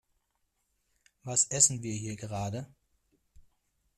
Was essen wir hier gerade?